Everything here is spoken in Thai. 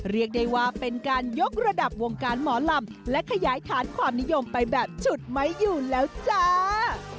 เรียกได้ว่าเป็นการยกระดับวงการหมอลำและขยายฐานความนิยมไปแบบฉุดไม่อยู่แล้วจ้า